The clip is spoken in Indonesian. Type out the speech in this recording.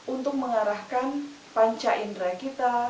untuk mengarahkan panca indera kita